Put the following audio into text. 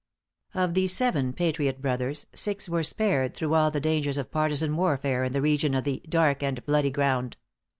_" Of the seven patriot brothers, six were spared through all the dangers of partisan warfare in the region of the "dark and bloody ground."